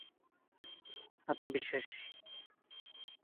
এটি যাদব পণ্ডিতের পাঠশালা নামে পরিচিতি পেয়েছিল।